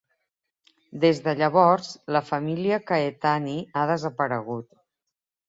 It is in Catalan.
Des de llavors, la família Caetani ha desaparegut.